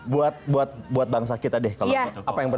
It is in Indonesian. buat buat buat bangsa kita deh kalau apa yang bener